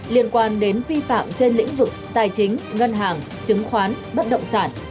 liên quan đến vi phạm trên lĩnh vực tài chính ngân hàng chứng khoán bất động sản